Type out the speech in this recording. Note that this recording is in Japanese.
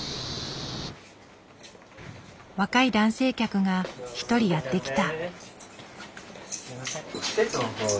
若い男性客が一人やって来た。